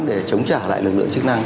để chống trả lại lực lượng chức năng